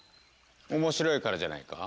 面白いからじゃないか？